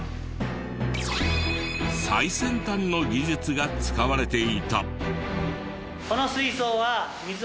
最先端の技術が使われていた。